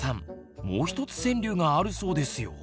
もう一つ川柳があるそうですよ。